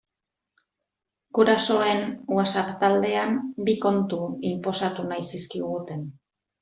Gurasoen WhatsApp taldean bi kontu inposatu nahi zizkiguten.